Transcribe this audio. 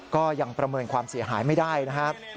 ก็ยังประเมินความเสียหายไม่ได้นะครับ